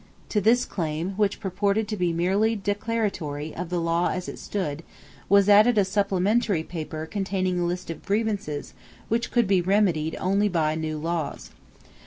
To this Claim, which purported to be merely declaratory of the law as it stood, was added a supplementary paper containing a list of grievances which could be remedied only by new laws.